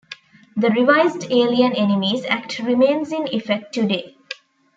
The revised Alien Enemies Act remains in effect today.